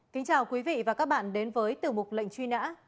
kính chào quý vị và các bạn đến với tiểu mục lệnh truy nã